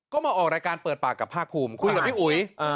ก็มาออกรายการเปิดปากกับภาคภูมิคุยกับพี่อุ๋ย